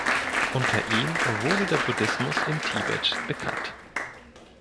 Unter ihm wurde der Buddhismus in Tibet bekannt.